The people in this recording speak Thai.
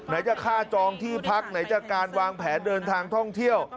จะฆ่าจองที่พักไหนจากการวางแผนเดินทางท่องเที่ยว